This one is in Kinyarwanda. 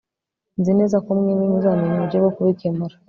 Nzi neza ko mwembi muzamenya uburyo bwo kubikemura